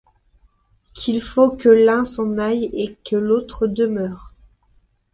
Qu’il faut que l’un s’en aille et que l’autre demeure.